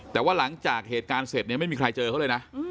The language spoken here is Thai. แต่ว่าหลังจากเหตุการณ์เสร็จเนี่ยไม่มีใครเจอเขาเลยนะ